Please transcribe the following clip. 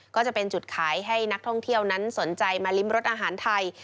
ก็จะเป็นจุดขายให้นักท่องเที่ยวนั้นสนใจมาริมรสอาหารไทย